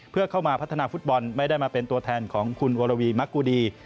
เพื่อเข้ามาพัฒนาฟุตบอลไม่ได้มาเป็นตัวแทนของคุณวรวีมะกูดี